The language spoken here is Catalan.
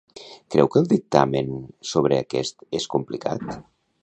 Creu que el dictamen sobre aquest és complicat?